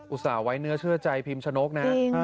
ส่าห์ไว้เนื้อเชื่อใจพิมชนกนะ